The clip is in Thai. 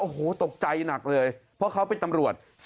โอ้โหตกใจหนักเลยเพราะเขาเป็นตำรวจ